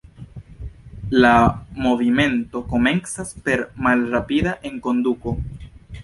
La movimento komencas per malrapida enkonduko.